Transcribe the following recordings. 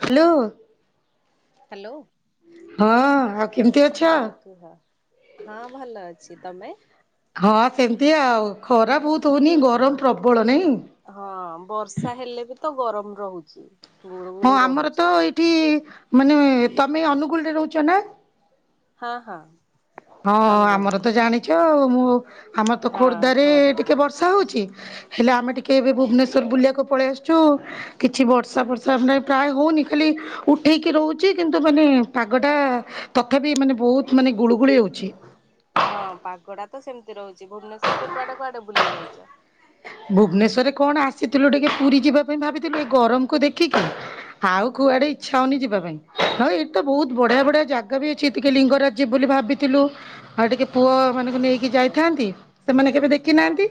Hello. Hello. ହଁ ଆଉ କେମିତି ଅଛ? କୁହ। ହଁ ଭଲ ଅଛି ତମେ? ହଁ ସେମିତି ଆଉ ଖରା ବହୁତ ହଉନି ଗରମ ପ୍ରବଳ ନାଇଁ? ହଁ ବର୍ଷା ହେଲେ ବି ତ ଗରମ ରହୁଚି। ହଁ ଆମର ତ ଏଇଠି ମାନେ ତମେ ଅନୁଗୁଳରେ ରହୁଚ ନା? ହଁ ହଁ। ହଁ ଆମର ଅନୁଗୁଳ ତ ଜାଣିଚ ଆଉ ମୁଁ ଆମର ତ ହଁ ଖୋର୍ଦ୍ଧାରେ ଟିକେ ଖୋର୍ଦ୍ଧା ବର୍ଷା ହଉଚି ହେଲେ ଆମେ ଟିକେ ଏବେ ଭୁବନେଶ୍ୱର ବୁଲିଆକୁ ପଳେଇ ଆସଚୁ। କିଛି ବର୍ଷା ପର୍ସା ନାଇ ପ୍ରାୟ ହଉନି ଖାଲି ଉଠେଇକି ରହୁଚି କିନ୍ତୁ ମାନେ ପାଗଟା ତଥାପି ମାନେ ବହୁତ ମାନେ ଗୁଳୁଗୁଳି ହଉଚି। ହଁ ପାଗଡା ତ ସେମିତି ରହୁଚି ଭୁବନେଶ୍ୱରରେ କୁଆଡେ କୁଆଡେ ବୁଲି ଯାଇଚ? ଭୁବନେଶ୍ଵରରେ କଣ ଆସିଥିଲୁ ଟିକେ ପୁରୀ ଯିବା ପାଇଁ ଭାବିଥିଲୁ ଏ ଗରମକୁ ଦେଖିକି ଆଉ କୁଆଡେ ଇଚ୍ଛା ହଉନି ଯିବା ପାଇଁ ନ ଏଇଡ୍ ତ ବହୁତ୍ ବଢିଆ ହଁ ବଢିଆ ଜା ଗା ବି ଅଛି ଟିକେ ଲିଙ୍ଗରାଜ୍ ଯିବୁ ବୋଲି ଭାବିଥିଲୁ। ଆଉ ଟିକେ ପୁଅ ମାନଙ୍କୁ ନେଇକି ଯାଇଥାନ୍ତି ସେମାନେ କେବେ ଦେଖି ନାହାନ୍ତି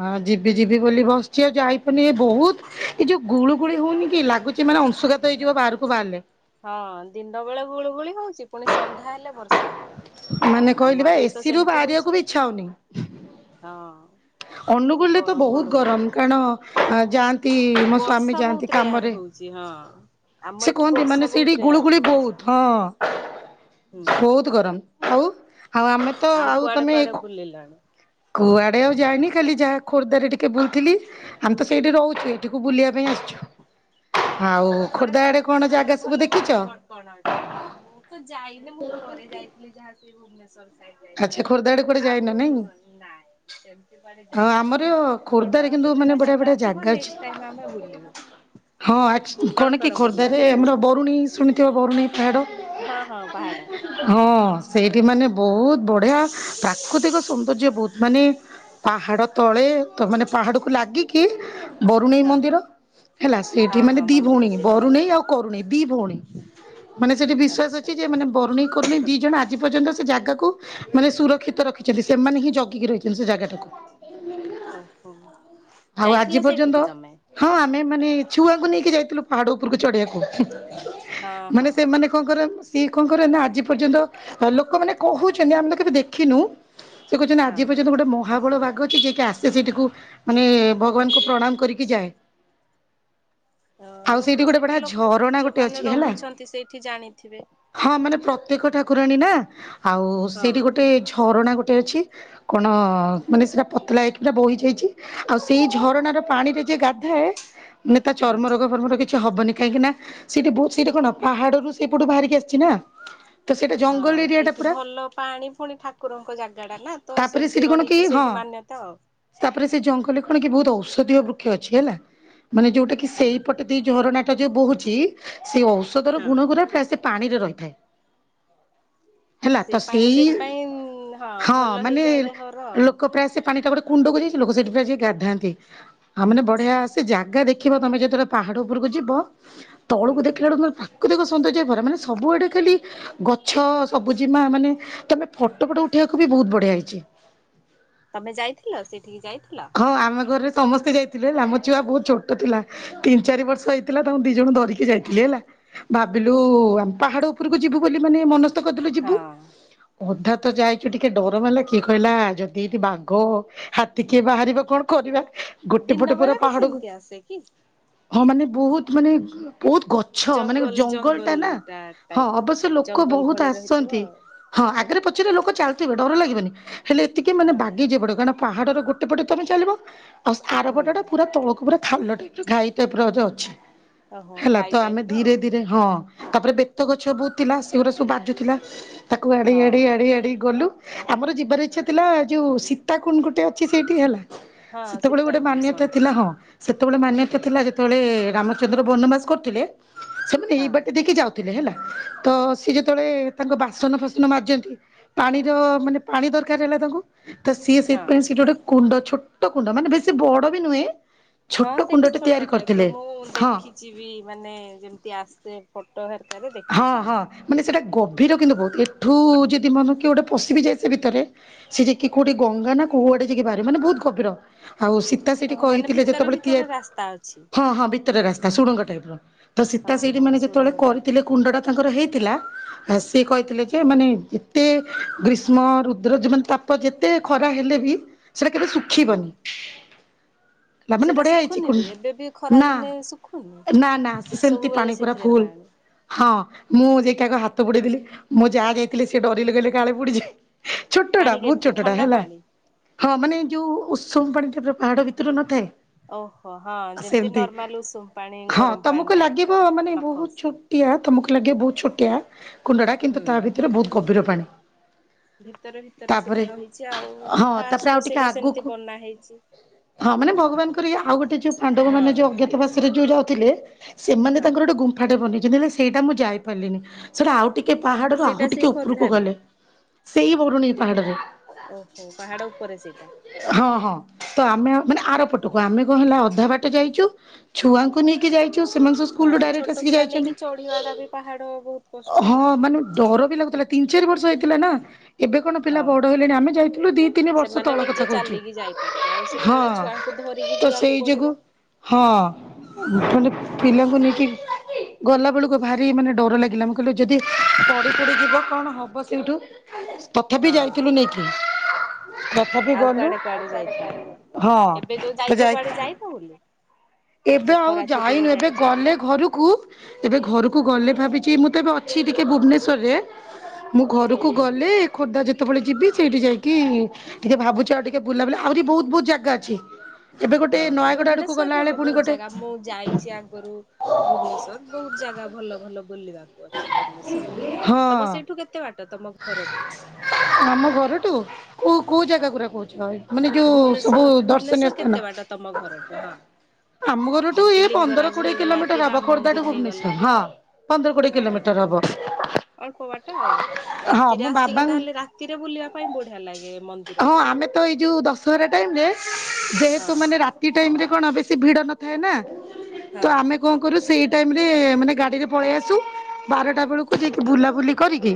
ଆ ଯିବି ଯିବି ବୋଲି ବସଛି ଆଉ ଯାାଇପନି ବହୁତ୍ ଏ ଯୋ ଗୁଳୁ ଗୁଳି ହଉନି କି ଲାଗୁ ଚି ମାନେ ଅଂଶୁଘାତ ହେଇଯିବ ବାହାରକୁ ବାହାରିଲେ। ହଁ ଦିଣ୍ଡ ବେଳେ ହୁଳୁ ହୁଳି ହଉଚି ପୁଣି ସନ୍ଧ୍ୟା ହେଲେ ବର୍ଷା ହେଇଯାଉ ମାନେ କହିଲେ ବା ଏସିିରୁୁ ବାହାରିବାକୁ ବି ଇଚ୍ଛା ହଉନି। ହଁ। ସେ ଅନୁଗୁଲରେ ତ ଗରମ ବହୁତ ଗୁଳୁଗୁଳି ଗରମ ପାଇଁ କାରଣ ଯାଆ ତି ମୋ ସ୍ଵାମୀ ବର୍ଷା ଯାଆନ୍ତି ବହୁତ ରେୟାର କାମରେ ହଉଛି ହଁ। ଆମ ସେ ଏଠି କୁହନ୍ତି ମାନେ ବର୍ଷା ବହୁତ ସେଇଡି ରେୟାର ଗୁଳୁଗୁଳି ହଉଛି ବହୁତ୍। ହଁ ହୁଁ। ବହୁତ୍ ଗରମ। ଆଉ ଆଉ ଆମେ ତ ଆଉ କୁଆଡେ ତମେ କୁଆଡେ ବୁଲିଲଣି? କୁଆଡେ ଆଉ ଯାଇନି ଖାଲି ଯାହା ଖୋର୍ଦ୍ଧାରେ ଟିକେ ବୁଲଥିଲି। ଆମ୍ ତ ସେଇଠି ରହୁଚୁ ଏଇଠିକୁ ବୁଲିଆ ପାଇଁ ଆସଛୁ। ହଁ ଆଉ ଖୋର୍ଦ୍ଧାରେ ଖୋର୍ଦ୍ଧା କୁଆଡେ ଆଡେ କୁଆଡେ କଣ ତମର ଜାଗା ଭଲ ସବୁ ଭଲ ଦେଖିଚ? ସ୍ପଟ କଣ ଅ ମୁଁ ତ ଯାଇନି ମୁଁ ଥରେ ଯାଇଥିଲି ଯାହା ସେ ଭୁବନେଶ୍ଵର ସାଇ ଆଚ୍ଛା ଯାଇଥିଲୁ ଖୋର୍ଦ୍ଧା ଆଡେ କୁଆଡେ ଯାଇନ ଆଉ ନାଇଁ ନାଇଁ ସେମିତି କୁଆଡ଼େ ଆଉ ଆମର ଯାଇନି। କଣ ଖୋର୍ଦ୍ଧାରେ କଣ କିନ୍ତୁ ମାନେ ବୁଲିବା ବଢିଆ ଜାଗା ବଢିଆ ଅଛି କୁହ ନେକ୍ସଟ୍ ଟାଇମ୍ ଆମେ ବୁଲିବୁ। ହଁ ଆଚ୍ କଣ କି ଖୋର୍ଦ୍ଧାରେ ଆମର ବରୁଣୀ ଶୁଣିଥିବ ବରୁଣୀ। ହଁ ହଁ ପାହାଡ଼। ହଁ ସେଇଠି ମାନେ ବହୁତ ବଢି଼ଆ ପ୍ରାକୃତିକ ସୌନ୍ଦର୍ଯ୍ୟ ବହୁତ ମାନେ ପାହାଡ଼ ତଳେ ତ ମାନେ ପାହାଡ଼କୁୁ ଲାଗିକି ବରୁଣେଇ ହଁ ମନ୍ଦିର ହେଲା ସେଇଠି ହଁ ମାନେ ହଁ ଦି ମନ୍ଦିର ଭଉଣୀ ସେଇଠି ବରୁଣେଇ ଅଛି ଆଉ କରୁଣୀ ଦି ଭଉଣୀ। ମାନେ ସେଠି ବିଶ୍ଵାସ ଆଚ୍ଛା। ଅଛି ଯେ ମାନେ ବରୁଣୀ କରୁଣୀ ଦି ଜଣ ଆଜି ପର୍ଯ୍ୟନ୍ତ ସେ ଜାଗାକୁ ମାନେ ସୁରକ୍ଷିତ ରଖିଛନ୍ତି। ସେମାନେ ହିଁ ଜଗିକି ରହିଛନ୍ତି ସେ ଜାଗାଟାକୁ। ଓହୋ। ଆଉ ଆଜି ଯାଇଥିଲ ପର୍ଯ୍ୟନ୍ତ ସେଇଠିକି ତମେ? ହଁ ଆମେ ମାନେ ଛୁଆଙ୍କୁ ନେଇକି ଯାଇଥିଲୁ ପାହାଡ଼ ଉପରକୁ ଚଢି଼ବାକୁ। ହଁ ମାନେ ହଁ। ସେମାନେ କଣ କରରେ ସିଏ କଣ କରରେ ନା ଆଜି ପର୍ଯ୍ୟନ୍ତ ଲୋକମାନେ କହୁଛନ୍ତି ଆମେ ତ କେବେ ଦେଖିନୁ। ସେ କହୁଛନ୍ତି ହଁ ଆଜି ପର୍ଯ୍ୟନ୍ତ ଗୋଟେ ମ ମହାବଳ ବାଘ ଅଛି ଯିଏକି ଆସେ ସେଠିକୁ ମାନେ ଭଗବାନଙ୍କୁ ପ୍ରଣାମ କରିକି ଯାଏ। [inaudible] ହଁ ଆଉ ଲୋକ ଗୋଟେ ସେଇଠି ବଢିଆ ଲୋକ ଝରଣା ଗୋଟେ ଅଛି ଯୋଉମାନେ ହେଲା ରହୁଛନ୍ତି ସେଇଠି ଜାଣିଥିବେ। ହଁ ମାନେ ପ୍ରତ୍ୟେକ ଠାକୁରାଣୀ ନା ଆଉ ସେଇଠି ହଁ ଗୋଟେ ଝରଣା ଗୋଟେ ଅଛି। କଣ ମାନେ ସେଟା ପତଲା ହେଇକି ବୋହି ଯାଇଛି। ଆଉ ସେଇ ଝରଣାର ପାଣିରେ ଯେ ଗାଧାଏ ନେ ତା ହଁ। ଚର୍ମରୋଗ ଫର୍ମର କିଛି କିଛି ହବନି। କାହିଁକି ନା ସେଠି ବହୁତ ସେଇଟା କଣ ପାହାଡ଼ରୁୁ ସେପଟୁ ବାହାରିକି ଆସିଛି ନା। ତ ସେଇଟା ଜଙ୍ଗଲ ହଁ ଏରିଆଟା ସେଇଠି ପୁରା। ଭଲ ପାଣି ଫୁଣି ଠାକୁରଙ୍କ ଜାଗା ଟା ନା, ତ ତାପରେ ସେଠି ସେମିତି କଣ କି ରହିଛି ହଁ ସେଇଠି ମାନ୍ୟତା ଆଉ। ତାପରେ ସେ ଜଙ୍ଗଲରେ କଣ କି ବହୁତ ଔଷଧୀୟ ବୃକ୍ଷ ଅଛି ହେଲା। ମାନେ ଯୋଉଟା କି ଓହୋ ସେଇପଟେ ଦି ଝରଣାଟା ଯୋଉ ବହୁଛି ସେଇ ଔଷଧର ହଁ। ଗୁଣ ଗୁରା ସେ ପାଣିରେ ରହିଥାଏ ହେଲା। ତ ସେଇ ପାଣି ସେଇ ସେଇଥ୍ ପାଇଁ ହଁ ଭଲ ହେଇଯାଏ ଦେହର ଆଉ। ଲୋକ ପ୍ରାୟ ସେ ପାଣି ଟା ଗୋଟେ କୁଣ୍ଡକୁ ଯାଇଛି ଲୋକ ସେଠି ପ୍ରାୟ ସେ ଗାଧାନ୍ତି। ଆଉ ମାନେ ବଢି଼ଆ ସେ ଜାଗା ଦେଖିବ ତମେ ଯେତେବେଳେ ପାହାଡ଼ ଉପରକୁ ଯିବ ତଳକୁ ହୁଁ। ଦେଖିଲା ବେକୁମର କୁ ଦେଖ ସୌନ୍ଦର୍ଯ୍ୟ ଭରା। ମାନେ ସବୁଆଡ଼େ ଖାଲି ଗଛ ସବୁ ତମେ ଫଟୋ ଫଟ ଉଠେଇବାକୁ ବି ବହୁତ ବଢି଼ଆ ହେଇଛି। ତମେ ଯାଇଥିଲ ସେଠିକି ଯାଇଥିଲ? ହଁ ଆମ ଘରେ ସମସ୍ତେ ଯାଇଥିଲେ ହେଲା ଆମ ଛୁଆ ବହୁତ ଛୋଟ ଥିଲା। ତିନି ଚାରି ବର୍ଷ ହେଇଥିଲା ତାଙ୍କୁ ଦି ଜଣ ଧରିକି ଯାଇଥିଲି ହେଲା। ଭାବିଲୁ ଓହୋ ଆମେ ପାହାଡ଼ ଉପରକୁ ଯିବୁ ବୋଲି ମାନେ ମନସ୍ତ କରିଦେଲୁ ଯିବୁ। ହଁ। ଅଧା ତ ଯାଇଛୁ ଟିକେ ଡର ମରଲା କିଏ କହିଲା ଯଦି ଏଠି ବାଘ, ହାତୀ କିଏ ବାହାରିବା କଣ କରିବା ଗୋଟେ ଦିନ ପଟେ ବେଳେ ପୁରା ବି ପାହାଡ଼କୁ ସେମିତି ଆସେ କି ହଁ ମାନେ ବହୁତ ମାନେ ବହୁତ ଗ ଛ ମାନେ ଜଙ୍ଗଲ ଟା ନା। ହଁ ଅବଶ୍ୟ ଲୋକ ଜଙ୍ଗଲ ବହୁତ୍ ଭଳି ରହିଥିବ ଆସନ୍ତି। ଆଉ ହଁ ଆଗରେ ପଛରେ ଲୋକ ଚାଲିଥିବେ ଡର ଲାଗିବନି, ହେଲେ ଏତିକି ମାନେ ହଁ ବାଗେଇ ଯିବ ପଡି଼ବ କାରଣ ପାହାଡ଼ର ଗୋଟେ ଏ ପଟେ ତମେ ଚାଲିବ ଆଉ ହୁଁ। ଆରପଟ ଟା ପୁରା ତଳକୁ ପା ଖାଲ ଢିପ ଘାଇଟା ପୁରା ଆରି ଅଛି। ଓହୋ ହେଲା ତ ଖାଇ ଟାଇପ ଆମେ ର ଧୀରେ ଆଉ ଧୀରେ ହଁ। ତାପରେ ବେତ ଗଛ ବହୁତ ଥିଲା ସେଗୁଡା ସବୁ ବାଜୁଥିଲା। ତାକୁ ଆଡ଼େଇ ଆଡ଼େଇ ହଁ ଆଡ଼େଇ ଆଡ଼େଇ ଗଲୁ। ଆମର ଯିବାର ଇଚ୍ଛା ଥିଲା ଯୋଉ ସୀତାକୁଣ୍ଡ ଗୋଟେ ଅଛି ସେଇଠି ହେଲା। ହଁ ସେତେବେଳେ ଗୋଟେ ସୀତାକୋଣ ମାନ୍ୟତା ଶୁଣିଛି ଥିଲା ହଁ। ସେତେବେଳେ ମାନ୍ୟତା ଥିଲା ଯେତେବେଳେ ରାମଚନ୍ଦ୍ର ବନବାସ କରୁଥିଲେ ସେମାନେ ହଁ ଏଇ ବାଟେ ଦେଇକି ଯାଉ ଥିଲେ ହେଲା। ତ ସି ଯେତେବେଳେ ତାଙ୍କ ବାସନ ଫାସନ ମଜନ୍ତି। ପାଣିର ମାନେ ପାଣି ଦରକାର ହେଲା ତାଙ୍କୁ। ତ ସିଏ ହଁ। ସେଇଥିପାଇଁ ସେଠି ଗୋଟେ କୁଣ୍ଡ ଛୋଟ କୁଣ୍ଡ ମାନେ ବେଶୀ ବଡ଼ ବି ନୁହେଁ। ହଁ ଛୋଟ ସେଇଠି କୁଣ୍ଡଟେ ତିଆରି ଛୋଟ ଟାଇପ୍ ର କରିଥିଲେ ମୁଁ ହଁ ଦେଖିଛି ବି ମାନେ ଯେମିତି ଆସେ ଫୋ [unintelligible] ଦେଖ ହଁ ହଁ ମାନେ ସେଇଟା ଗଭୀର କିନ୍ତୁ ବହୁତ ଏଠୁ ଯଦି ମନେ କି ଗୋଟେ ପଶି ବିି ଯାଏ ସେ ଭିତରେ। ସେ ଯକି କୋଉଠେ ଗଙ୍ଗା ନା କୋଉଆଡେ ଯକି ବାହାରେ ମାନେ ବହୁତ ଗଭୀର ଆଉ ସି ତା ସେଠି ଓହୋ ମାନେ କହିଥିଲେ ଭିତରେ ଯେତେବେଳେ ଭିତରେ ରାସ୍ତା ଅଛି ହଁ ହଁ ଭିତରେ ରାସ୍ତା ସୁଡଙ୍ଗ ଟାଇପ ର। ତ ସୀତା ହଉ ସେଠି ହଉ ମାନେ ଯେତେବେଳେ ସୁଡ଼ଙ୍ଗ କରିଥିଲେ ଟାଇପ ର କୁଣ୍ଡ ଟା ତାଙ୍କର ହେଇଥିଲା। ଆ ସିଏ କହିଥିଲେ ଯେ ମାନେ ଏତେ ଗ୍ରୀଷ୍ମ ରୁଦ୍ର ଯେ ତ ତ ଯେତେ ଖରା ହେଲେ ବି ସେଟା କେବେ ହୁଁ। ଶୁଖିବନି। ଲା ମାନେ ସେଇଟା ବଢିଆ ହେଇଛି ଶୁଖୁନି ବି ଏବେ ବି ଖରା ନା ଦିନେ ଶୁଖୁନି ନା ନା ସେମତି ସବୁବେଳେ ପାଣି ପୁରା ସେଥିରେ ଭୁଲ। ପାଣି ହଁ ମୁଁ ଯାଇକିକୁ ହାତ ବୋଡେଇଦେଲି ମୁଁ ଯାହା ଯାଇଥିଲି ସେ ଡରି ଲଗେଇଲେ କାଳେ ପୁଡିଯାଏ। ଛୋଟଟା ପାଣି ବହୁତ କେମିତି ଛୋଟଟା ଥଣ୍ଡା ହେଲା। ପାଣି? ହଁ ମାନେ ଯୋଉ ଉତ୍ସବ ପାଣି ଟ ପାହାଡ ଭିତ୍ର ନଥାଏ। ଓହୋ ହଁ ଯେମିତି ସେମତି ନର୍ମାଲ ଉଷୁମ ପାଣି ହଁ ଗରମ ପାଣି ତମକୁ ଟାଇପ ଲାଗିବ ର ମାନେ ନଖ ବହୁତ ଉଷୁମ। ଛ ଛଟିଆ ତମକୁ ଲାଗେ ବହୁତ ଛୋଟିଆ କୁଣ୍ଡଡା କିନ୍ତୁ ହୁଁ। ତା ଭିତରେ ବହୁତ ଗଭୀର ପାଣି। ଭିତରେ ଭିତରେ ସେଇଟା ତାପରେ ରହିଛି ଆଉ ହଁ ତାପରେ ଫାଷ୍ଟ ଆଉ ରୁ ଟିକେ ସେଇଟା ସେମିତି ଆଗକୁ ବନା ହେଇଛି। ହଁ ମାନେ ଭଗବାନଙ୍କ ଆଉ ଗୋଟେ ଯୋଉ ପାଣ୍ଡବ ମାନେ ଯୋଉ ହଁ ସେଇ ଅଜ୍ଞାତବା ସେ ଯୋଉ ଯାଉଥିଲେ ସେମାନେ ହଁ ତାଙ୍କର ଗୋଟେ ଗୁମ୍ଫାଟେ ବନେଇଛନ୍ତି ହେଲେ ସେଇଟା ମୁଁ ଯାଇ ପାରିଲିନି ସେଟା ଆଉ। ଟିକେ ପାହାଡରୁ ସେଇଟା ଆଉ ସେଇ ଟିକେ ଉପରକୁ ଖୋର୍ଦ୍ଧାରେ। ଗଲେ ସେଇ ବରୁନି ପାହାଡରେ। ଓହୋ ପାହାଡ ଉପରେ ସେଇଟା। ହଁ ହଁ ତ ଆମେ ମାନେ ଆର ପଟକୁ ଆମେ କଣ ହେଲା ଅଧା ବାଟ ଯାଇଛୁ। ଛୁଆଙ୍କୁ ନେଇକି ଯାଇଛୁ ସେମାନଙ୍କ ହଁ ସ୍କୁଲୁ ଡାଇରେକ୍ଟ ଛୋଟ ଆସିକି ପିଲା ନେଇକି ଯାଇଛନ୍ତି। ଚଢିବା ଟା ବି ପାହାଡ ବହୁତ କଷ୍ଟ ହଁ ନା। ମାନେ ଡର ବି ଲାଗୁଥିଲା ତିନି ଚାରି ବର୍ଷ ହେଇଥିଲା ନା। ଏବେ କଣ ପିଲା ହଁ। ବଡ ହେଲେଣି ଆମେ ଯାଇଥିଲୁ ଦି ତିନି ବର୍ଷ ସେମାନେ ତଳ କଥା ନିଜେ କହୁଛୁ ଚାଲିକି ଯାଇପାରିବେ ଆଉ ହଁ। ସେତେବେଳେ ଛୁଆଙ୍କୁ ଧରିକି ତ ଯିବାକୁ ସେଇ ଯୋଗୁ ପଡିବ। ହଁ ମଣ୍ଡେ ପିଲାଙ୍କୁ ନେଇକି ଗଲାବେଳକୁ ଭାରି ମାନେ ଡର ଲାଗିଲା ମୁଁ କହିଲି ଯଦି ପଡ଼ି ପଡ଼ିଯିବ କଣ ହେବ ସେଇଠୁ ତଥାପି ହଁ ଯାଇଥିଲୁ ନେଇକି। ତଥାପି ଆଉ ଗଲୁ କୁଆଡେ କୁଆଡେ ଯାଇଥିଲ ବୋଲି ହଁ ଏବେ ଯୋଉ ତ ଯାଇଛ ଯାଇ କୁଆଡେ ଯାଇନ ବୋଲି? ଏବେ ଆଉ ଯାଇନୁ ଏବେ ଗଲେ ଘରକୁ ଏବେ ଘରକୁ ହଁ ଗଲେ ଭାବିଛି ମୁଁ ବେ ଅଛି ଟିକେ ଭୁବନେଶ୍ୱରରେ ମୁଁ ଘରକୁ ଓହୋ। ଗଲେ ଖୋର୍ଦ୍ଧା ଯେତେବେଳେ ଯିବି ସେଇଠି ଯାଇକି ଟିକେ ଭାବୁଛ ଆଉ ଟିକେ ବୁଲାବୁଲି ଆହୁରି ବହୁତ ବହୁତ ଜାଗା ଅଛି ଏବେ ଗୋଟେ ହଁ ନୟାଗଡ ଆଡକୁ ଭୁବନେଶ୍ଵରରେ ଗଲାବେଳେ ବି ପୁଣି ବହୁତ ଗୋଟେ ଜାଗା ମୁଁ ଯାଇଛି ଆଗରୁ ଭୁବନେଶ୍ଵର ବହୁତ ଜାଗା ଭଲ ଭଲ ବୁଲିବାକୁ। ଅଛି ଭୁବନେଶ୍ଵରରେ ବି ହଁ ତମ ସେଇଠୁ କେତେ ବାଟ ତମ ଘରଠୁ? ଆମ ଘରଠୁ କୋଉ କୋଉ ଜାଗା ହଁ। ଜାଗା କହୁଛ ଭରା ତମେ? ମାନେ ଯୋଉ ସବୁ ଭୁବନେଶ୍ଵର ଦର୍ଶନୀୟ ଭୁବନେଶ୍ଵର ସ୍ଥାନ। କେତେ ବାଟ ତମ ଘରଠୁ ହଁ ଆମ ଘରଠୁ ଯେମିତି ଏଇ ପନ୍ଦର ଲିଙ୍ଗରାଜ କୋଡିଏ ହେଇଗଲା କି କିଲୋମିଟର ହବା ରାମ ଖୋର୍ଦ୍ଧା ଟୁ ମନ୍ଦିର ହେଇଗଲା ଭୁବନେଶ୍ଵର ହଁ। ପନ୍ଦର କୋଡିଏ ଓହୋ କିଲୋମିଟର ହବ। ଅଳ୍ପ ବାଟ ଆଉ ହଁ ରାତିରେ ମୁଁ ବାବା ଆସିକି ତାହେଲେ ରାତିରେ ବୁଲିବା ପାଇଁ ବଢିଆ ଲାଗେ। ମନ୍ଦିର ହଁ ଗୁଡା ଆମେ ତ ଏଇ ଯୋଉ ଦଶହରା ଟାଇମ ରେ ହଁ। ଯେହେତୁ ମାନେ ରା ଟାଇରେ କଣ ବେଶୀ ଭିଡ଼ ନଥାଏ ନା ହଁ ତ ଆମେ କଣ କରୁ ସେଇ ଟାଇମରେ ମାନେ ଗାଡ଼ିରେ ପଳେଇ ଆସୁ ବାରଟା ବେଳକୁ ଯାଇକି ବୁଲାବୁଲି କରିକି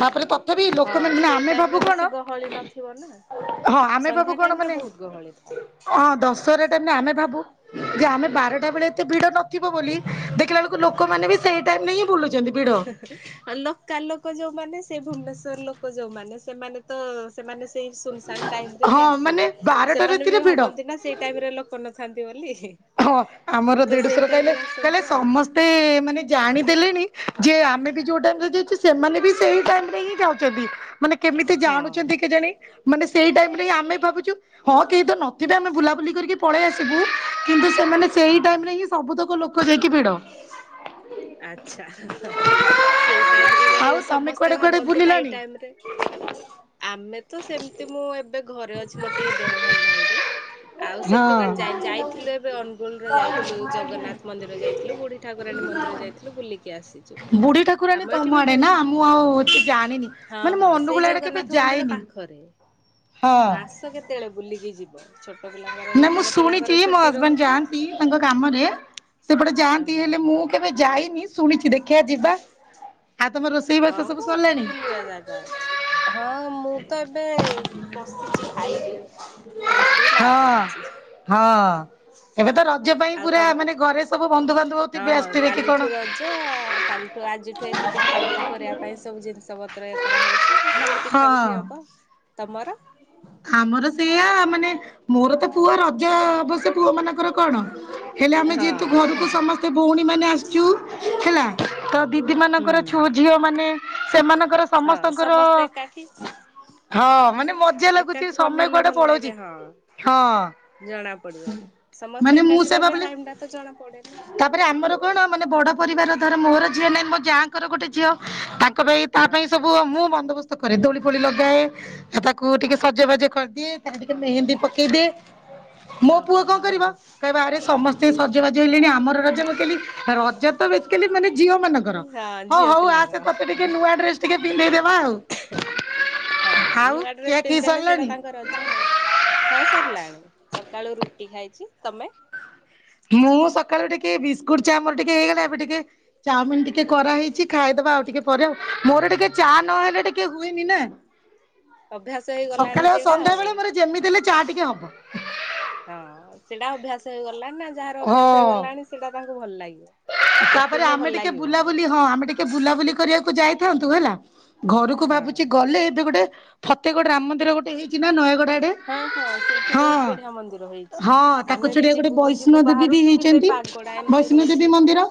ତାପରେ ତଥାପି ହଁ ଲୋକମାନେ ମାନେ ସେଇ ଆମେ ଟାଇମ ରେ ଭାବୁ ବେଶୀ କଣ ଗହଳି ନଥିବ ନା। ହଁ ଆମେ ଭାବୁ ସନ୍ଧ୍ୟା କଣ ଟାଇମ ରେ ମାନେ ବହୁତ ଗହଳି ଥାଏ। ହଁ ଦଶହରା ଟ ଆମେ ଭାବୁ ଯେ ଆମେ ବାରଟା ବେଳେ ଏତେ ଭିଡ ନଥିବ ବୋଲି ଦେଖିଲା ବେଳକୁ ଲୋକମାନେ ବି ସେଇ ଟାଇମ ହିଁ ବୁଲୁ ଆ ଲୋକାଲ ଲୋକ ଯୋଉମାନେ ସେ ଭୁବନେଶ୍ଵର ଲୋକ ଯୋଉମାନେ ସେମାନେ ତ ସେମାନେ ସେଇ ଶୂନଶାନ୍ ଟାଇମରେ ହଁ ହିଁ ମାନେ ଆସିବେ। ବାରଟା ସେମାନେ ରାତିରେ ବି ଭିଡ ଭାବନ୍ତି ନା ସେଇ ଟାଇମରେ ଲୋକ ନ ଥାନ୍ତି ବୋଲି। ହଁ ଆମର ତ ସେଇ ଦେଢଶୁର ଟାଇମ କଇଲେ ରେ କହିଲେ ଆସନ୍ତି ଆଉ ସମ ବୋଧେ ଏମାନେ ଜାଣିଦେଲେଣି ଯେ ଆମେ ବି ଯୋଉ ଟାଇମରେ ଯାଇଛୁ, ସେମାନେ ବି ସେଇ ଟାଇମ ରେ ହିଁ ଯାଉଛନ୍ତି। ମାନେ କେମିତି ହଁ। ଜାଣୁଛନ୍ତି କେଜାଣି, ମାନେ ସେଇ ଟାଇମରେ ହିଁ ଆମେ ଭାବୁଚୁ ହଁ କେହି ତ ନ ଥିବେ, ଆମେ ବୁଲାବୁଲି କରିକି ପଳେଇ ଆସିବୁ କିନ୍ତୁ ସେମାନେ ସେଇ ହଁ ଟାଇମରେ ହିଁ ସବୁତକ ଲୋକ ଯାଇକି ଭିଡ। ଆଚ୍ଛା ସେଇ ଟାଇମରେ ରହି ଆଉ ତମେ ସମସ୍ତେ କୁଆଡେ କୁଆଡେ ଭାବନ୍ତି ନା ଏଇ ବୁଲିଲଣି? ଟାଇମରେ ଆମେ ତ ସେମିତି ମୁଁ ଏବେ ଘରେ ଅଛି ମୋର ଟିକେ ଦେହ ଭଲ ନାହିଁ ଯେ। ଆଉ ସେମିତି ହଁ କୁଆଡେ ଯା-ଯାଇଥିଲେ ଏବେ ଅନୁଗୋଳର ଯାଇଥିଲୁ ଜଗନ୍ନାଥ ମନ୍ଦିର ଯାଇଥିଲୁ। ଥିଲୁ ବୁଢୀ ଠାକୁରାଣୀ ମନ୍ଦିର ଯାଇଥିଲୁ ବୁଲିକି ଆସିଚୁ। ବୁଢୀ ଠାକୁରାଣୀ ଆମର ଏଠି ତମ ବି ଆଡେ ନା ବହୁତ। ମୁଁ ଆଉ ଜାଣିନି ହଁ ମାନେ ମୁଁ ହଁ, ଅନୁଗୁଳ ସେଇ ଆଡେ କେବେ ଜଗନ୍ନାଥ ମନ୍ଦିର ଯାଇନି। ପା ଖରେ। ହଁ। ଆଉ ଆସ କେତେବେଳେ ବୁଲିକି ଯିବ। ଛୋଟ ଛୋଟ ପିଲାଙ୍କର ନା ମୁଁ ଯେତେବେଳେ ଶୁଣିଛି ପିଲାଙ୍କର ମୋ ଛୁଟି ହଜବେଣ୍ଡ ରହୁଚି। ଯାଆନ୍ତି ତାଙ୍କ କାମରେ, ସେପଟେ ଯାଆନ୍ତି ଓହୋ ହେଲେ ମୁଁ କେବେ ଯାଇନି ଶୁଣିଛି ଦେଖିବା ଯିବା। ଆଉ ତମ ରୋଷେଇ ବାସ ହଁ ସବୁ ବହୁତ ସରିଲାଣି। ବୁଲିବା ଜାଗା ଅଛି। ହଁ, ମୁଁ ତ ଏବେ ବସିଛି ଖାଇବି। ରୋଷେଇ ମା ହଁ କରୁଚି। ହଁ ଏବେ ତ ରଜ ପାଇଁ ଆଉ ପୁରା ତମେ? ମାନେ ଘରେ ସବୁ ବନ୍ଧୁ ବାନ୍ଧବ ହଁ କାଲିଠୁ ରଜ। କାଲିଠୁ ଆଜିଠୁ ଏତେ ପିଠାପୁଠି କରିବା। ପାଇଁ ସବୁ ଜିନିଷପତ୍ର କରାହେଉଛି। କାଲି ପିଠା ହଁ ପୁଠି ହେବ। ତମର ଆମର ସେଇଆ, ମାନେ ମୋର ତ ପୁଅ ରଜ ଅବଶ୍ୟ ପୁଅ ମାନଙ୍କର କଣ? ହେଲେ ଆମେ ହଁ ଯେହେତୁ ଘରକୁ ସମସ୍ତେ ଭଉଣୀମାନେ ଆସିଚୁ ହେଲା ତ ଦିଦି ହୁଁ ମାନଙ୍କର ଛୁ ଝିଅ ମାନେ ସେମାନ ଙ୍କର ହଁ ସମସ୍ତଙ୍କର ସମସ୍ତେ ଏକାଠି ହଁ ମାନେ ମଜା ଲାଗୁ ଏକାଠି ସମୟ ବନେଇଲେ କୁଆଡେ ଭଲ ପଳଉଛି ଲାଗେ ହଁ ହଁ। ଜଣା ପଡିବନି। ସମସ୍ତେ ଏକାଠି ରହିଲେ ଟାଇମଟା ତ ଜଣା ପଡେନି। ତା ପରେ ଆମର କଣ ମାନେ ବଡ ପରିବାର ଧର ମୋର ଝିଅ ନାହିଁ ମୋ ଯାଁଙ୍କର ଗୋଟେ ଝିଅ। ତା ତା ହଁ ପାଇଁ ସବୁ ମୁଁ ବନ୍ଦୋବସ୍ତ କରେ। ଦୋଳି ଫୋଳି ଲଗାଏ। ତାକୁ ଟିକେ - ସଜବାଜ କରିଦିଏ। ତା ରେ ଟିକେ ମେହେନ୍ଦୀ ପକେଇଦିଏ। ମୋ ପୁଅ ଓହୋ। କଣ କରିବ। କହିବ ଆରେ ସମସ୍ତେ ସଜବାଜ ହେଲେଣି ଆମର ରଜ। ମୁଁ କହିଲି ରଜ ତ ବେସିକାଲି ମାନେ ଝିଅ ମାନଙ୍କର। ହଁ ହଉ ଝିଅ ହଉ ଆସେ ପିଲାଙ୍କର ତତେ ଟିକେ ନୂଆ ଡ୍ରେସ୍ ଟିକେ ପିନ୍ଧେଇଦବା ଆଉ। ହଁ, ଆଉ ନୂଆ ଡ୍ରେସ୍ ଖିଆ ଖିଇ ପିନ୍ଧଦେଲେ ସେଇଟା ସରିଲାଣି? ତାଙ୍କ ରଜ ଆଉ। ହଁ ସରିଲାଣି ସକାଳୁ ରୁଟି ଖାଇଚି। ତମେ ମୁଁ ସକାଳୁ ଟିକେ ବିସ୍କୁଟ ଚା ମୋର ଟିକେ ହେଇଗଲା। ଏବେ ଟିକେ ଚାଉମିନ ଟିକେ କରାହେଇଛି ଖାଇଦବା ଆଉ ଟିକେ ପରେ ଆଉ। ମୋର ଟିକେ ଚା ନ ହଁ ହେଲେ ଟିକେ ହୁଏନି ନା। ଅଭ୍ୟାସ ହେଇଗଲାଣି ସକାଳେ ଆଉ ସେଇଟା ସନ୍ଧ୍ୟା ବେଳେ ମୋର ଯେମିତି ହେଲେ ଚାହା ଟିକେ ହବ। ହଁ ସେଇଟା ଅଭ୍ୟାସ ହେଇଗଲାଣି ନା। ଯାହାର ଅଭ୍ୟାସ ହେଇଗଲାଣି ସେଇଟା ତାଙ୍କୁ ଭଲ ଲାଗିବ। ନ ତା ପରେ ପିଇଲେ ଭଲ ଆମେ ଟିକେ ଲାଗିବନି ବୁଲାବୁଲି। ହଁ, ଆମେ ଟିକେ ବୁଲାବୁଲି କରିବାକୁ ଯାଇଥାନ୍ତୁ ହେଲା ଘରକୁ ହଁ ଭାବୁଛି ଗଲେ ଏବେ ଗୋଟେ ଫତେଗଡ ରାମ ମନ୍ଦିର ଗୋଟେ ହେଇଛି ନା ନୟାଗଡ ହଁ ହଁ ସେଇଠି ହଁ ବହୁତ ବଢିଆ ମନ୍ଦିର ହେଇଛି। ହଁ, ତାକୁ ଆମେ ବି ଚିଡେଆକୁ ଗୋଟେ ଯିବୁ ଯିବୁ ବୈଷ୍ଣବ ଦିବୀ ବାହାରୁଛୁ କିନ୍ତୁ ଏଇ ହେଇଛନ୍ତି। ପାଗଟା ଏମିତି ବୈଷ୍ଣବ ହଉଛି। ଦେବୀ ମନ୍ଦିର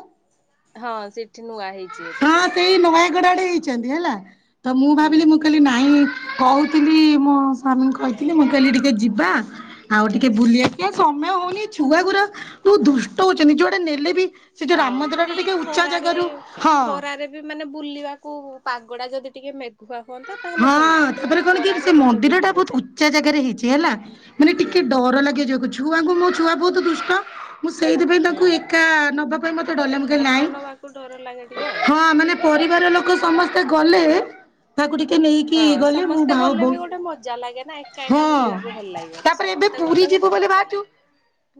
ହଁ ସେଠି ନୂଆ ହେଇଛି। ଏବେ ହଁ ସେଇଟା ସେଇ ନୟାଗଡ ଆଡେ ହେଇଛନ୍ତି ହେଲା ତ ମୁଁ ଭାବିଲି ମୁଁ ହୁଁ। କହିଲି ନାଁ। ନାଇଁ କହୁଥିଲି ମୋ ସ୍ୱାମୀ କହିଥିଲେ ମୁଁ କହିଲି ଟିକିଏ ଯିବା। ଆଉ ଟିକିଏ ବୁଲିବାଆସିବା ସମୟ ହଉନି ଛୁଆଗୁରା ବହୁତ ଦୁଷ୍ଟ ହଉଛନ୍ତି ଯୁଆଡେ ନେଲେବି। ସେ ଯୋଉ ରାମ ମନ୍ଦିରଟା ଟିକେ ଉଚ୍ଚା ଜାଗାରୁ ହଁ। ଖରାରେବି ମାନେ ବୁଲିବାକୁ ପାଗଟା ଯଦି ଟିକିଏ ମେଘୁଆ ହୁଅନ୍ତା। ତାହେଲେ ହଁ ଭଲ ଲାଗନ୍ତା। ଏ ତାପରେ କଣକି ଖରାରେ ସେ କୁଆଡେ ମନ୍ଦିରଟା ବୁଲିବ ବହୁତ ଯାଇକି ଉଚ୍ଚା ଜାଗାରେ ହେଇଛି ହେଲା। ମାନେ ହୁଁ ଟିକିଏ ଡରଲାଗେ ଯିବାକୁ ଛୁଆଙ୍କୁ ମୋ ଛୁଆ ବହୁତ ଦୁଷ୍ଟ। ମୁଁ ସେଇଥିପାଇଁ ତାଙ୍କୁ ହୁଁ। ଏକା ନବାପାଇଁ ମତେ ଡରଲାଗେ ମୁଁ ଏକା ନାଇଁ ନବାକୁ ଡର ଲାଗେ ଟିକେ ଆଉ। ହଁ ମାନେ ପରିବାର ଲୋକ ସମସ୍ତେ ଗଲେ ତାକୁ ଟିକି ତତେ ନେଇକିଇ ହଁ ଗଲେ ମୁଁ ସମସ୍ତେ ଭାଓ ଗଲେ ବି ବହୁତ ଗୋଟେ ମଜା ଲାଗେ ନା ଏକା ଏକା ହଁ। ବୁଲିବାକୁ ଭଲ ଲାଗିବନି ତାପରେ ଏବେ ସମସ୍ତେ ପୁରୀ ଗଲେ ଯିବୁ ଗୋଟେ ବୋଲି ମଜା ବାହାରିଛୁ। ଲାଗିବ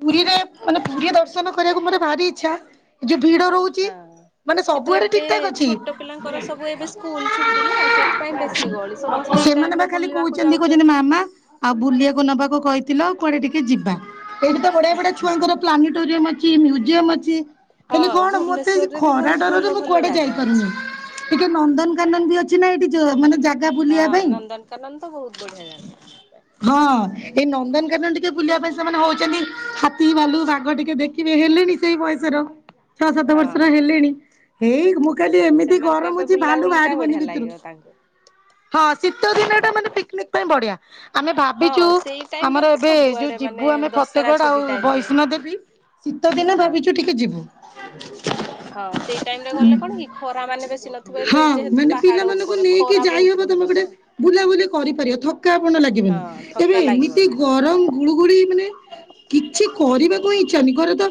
ପୁରୀରେ ମାନେ ପୁରୀରେ ଦର୍ଶନ କରିବାକୁ ମାନେ ଭାରି ଇଚ୍ଛା ଯୋଉ ଭିଡ ରହୁଛି। ଚି ହଁ। ମାନେ କିନ୍ତୁ ସବୁଆଡେ ଏବେ ଠିକ ଠାକ ଅଛି। ଛୋଟ ପିଲାଙ୍କର ସବୁ ଏବେ ସ୍କୁଲ ଛୁଟି ନା ସେଥିପାଇଁ ବେଶୀ ଗହଳି ସମସ୍ତେ ଏଇ ଟାଇମ ସେମାନେବା ରେ ଖାଲି ବୁଲିବାକୁ କହୁଚନ୍ତି କହୁଛନ୍ତି ଯାଉଛନ୍ତି। ମାମା। ଆଉ ବୁଲିବାକୁ ନବାକୁ କହିଥିଲ କୁଆଡେ ଟିକିଏ ଯିବା। ଏଇଠିତ ବଢିଆ ବଢିଆ ଛୁଆଙ୍କର ପ୍ଲାନିଟୋରିୟମ ଅଛି ମ୍ୟୁଜିୟମ ଅଛି। ହେଲେ ହଁ କଣ ମତେ ଆଜି ଭୁବନେଶ୍ଵରରେ ବି ଖରା ବହୁତ ଡରରେ ଭଲ ମୁଁ ଭଲ କୁଆଡେ ଜାଗା ଯାଇପାରୁନି। ଅଛି। ଟିକିଏ ନନ୍ଦନକାନନବି ଅଛିନା ଏଠି ଯୋଉ ମାନେ ଜା ହଁ ନନ୍ଦନକାନନତ ବହୁତ ବଢିଆ ଜାଗା। ହଁ ଏଇ ନନ୍ଦନକାନନ ଟିକିଏ ବୁଲିବା ପାଇଁ ସେମାନେ ହଉଛନ୍ତି ହାତୀ ଭାଲୁ ବାଘ ଟିକିଏ ଦେଖିବେ ହେଲେଣି ଏହି ବୟସର ଛଅ ସାତ ବର୍ଷର ହଁ ହେଲେଣି। ଏଇ ମୁଁ କହିନି ଏମିତି ସେମାନଙ୍କୁ ଗରମ ଏବେ ଅଛି ଭାଲୁ ବୁଲାବୁଲି ଟା ବଢିଆ ବାହାରିବନି ଭିତରୁ। ଲାଗିବ ତାଙ୍କୁ। ହଁ ଶୀତ ଦିନଟା ମାନେ ପିକନିକ ପାଇଁ ବଢିଆ। ଆମେ ହଁ ଭାବିଚୁ ସେଇ ଟାଇମ ରେ ଆମର ତ ଏବେ ଯୋଉ ସବୁଆଡେ ମାନେ ଯିବୁ ଆମେ ଦଶହରା ଫତେଗଡ ଛୁଟି ଆଉ ଟାଇମ ରେ ବୈଷ୍ଣବ ଦେବୀ। ଶୀତ ଦିନେ ହଁ। ଭାବିଚୁ ଟିକିଏ ଯିବୁ। ହଁ ସେଇ ଟାଇମରେ ଗଲେ କଣକି ଖରା ମାନେ ବେଶୀ ନଥିବ ଏବେ ଯେହେତୁ ପାହାଡ ଉପର। କିଏ କିଏ ଯାଇହବ ତମେ ଗୋଟେ ବୁଲାବୁଲି କରିପାରିବ ଥକା ପଣ ଲାଗିବନି। ହଁ ଏବେ ଥକା ଏମିତି ଲାଗିବନି ହଁ। ଗରମ ଗୁଳୁଗୁଳି ମାନେ କିଛି କରି ଉଇଁ ଚାଲି ଘରେତ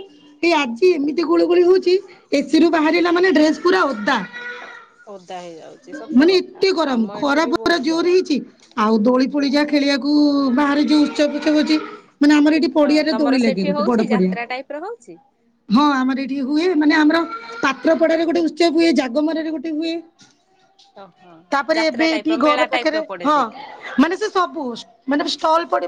ଏଇ ଆଜି ଏମିତି ଗୁଳୁଗୁଳି ହଉଛି। ଏସିରୁ ବାହାରିଲା ମାନେ ଡ୍ରେସ ପୁରା ଅଦା। ଓଦା ହେଇଯାଉ। ମାନେ ଏତେ ଗରମ ଖରା ଫରା ଜୋର ଗରମ। ହେଇଛି। ଆଉ ଦୋଳି ଫୋଳି ଯାହା ଖେଳିବାକୁ ବାହାରେ ଯୋଉ ଉତ୍ସବ ଫୁତ୍ସବ ଅଛି ମାନେ ଆମର ଏଠି ହଁ ପଡିଆଡେ ତମର ତୋଳି ଲାଗେ ସେଠି ଗୋଟେ ହଉଛି ବଡ ପଡିଆ। ଯାତ୍ରା ଟାଇପ ର ହଉଛି ହଁ ଆମର ଏଠି ହୁଏ ମାନେ ଆମର ପାତ୍ର ପଡାରେ ଗୋଟେ ଉତ୍ସବ ହୁଏ ଜାଗମରାରେ ଗୋଟେ ହୁଏ। ଅ ହ ତାପରେ ଏବେ ଏଠି ଘର ପାଖରେ ହଁ ସେଠି। ମାନେ ସେଳସବୁ ମାନେ ଷ୍ଟଲ ପଡିବ।